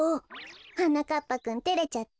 はなかっぱくんてれちゃって。